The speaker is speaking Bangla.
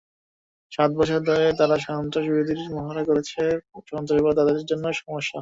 সাত বছর ধরে তারা সন্ত্রাসবাদবিরোধী মহড়া করছে এবং সন্ত্রাসবাদ তাদের জন্য সমস্যা।